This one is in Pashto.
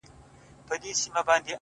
o چي ته به يې په کومو صحفو؛ قتل روا کي؛